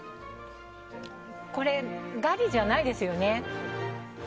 これ、ガリじゃないですよね。